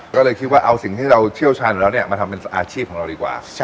ก็เลยคิดว่าเอาสิ่งที่เราเชี่ยวชาญอยู่แล้วเนี่ยมาทำเป็นอาชีพของเราดีกว่า